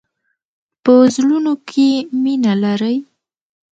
په زړونو کې مینه لری.